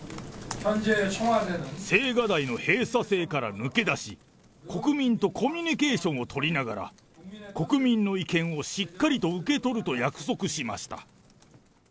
青瓦台の閉鎖性から抜け出し、国民とコミュニケーションを取りながら、国民の意見をしっかりと受け取ると約束しました。